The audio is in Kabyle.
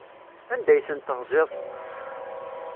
Anda ay tent-teɣziḍ?